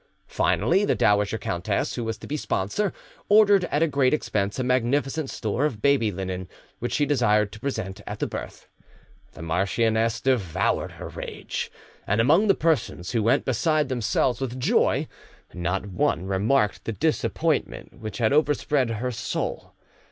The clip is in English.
Finally, the dowager countess, who was to be sponsor, ordered at a great expense a magnificent store of baby linen, which she desired to present at the birth. The marchioness devoured her rage, and among the persons who went beside themselves with joy not one remarked the disappointment which overspread her soul.